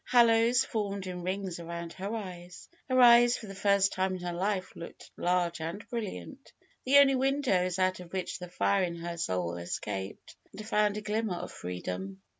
Hollows formed in rings around her eyes. And her eyes for the first time in her life looked large and brilliant, the only win dows out of which the fire in her soul escaped, and found a glimmer of freedom.